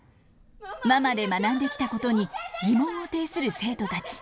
ＭＡＭＡで学んできたことに疑問を呈する生徒たち。